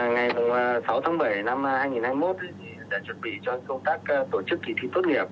ngày sáu tháng bảy năm hai nghìn hai mươi một đã chuẩn bị cho công tác tổ chức kỳ thi tốt nghiệp